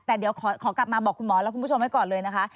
แต่เดี๋ยวขอกลับมาบอกคุณหมอและคุณผู้ชมไว้ก่อนเลยนะคะ